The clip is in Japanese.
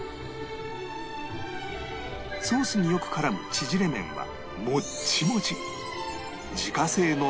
ソースによく絡む縮れ麺はもっちもち